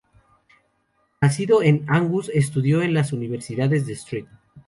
Nacido en Angus, estudió en las universidades de St.